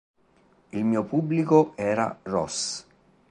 Il mio pubblico era Ross.